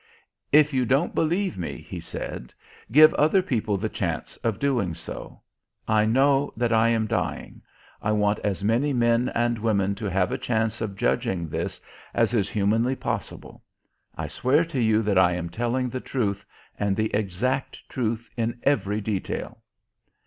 "If you don't believe me," he said, "give other people the chance of doing so. I know that I am dying. I want as many men and women to have a chance of judging this as is humanly possible. I swear to you that I am telling the truth and the exact truth in every detail."